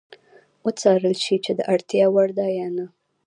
وڅارل شي چې د اړتیا وړ ده یا نه.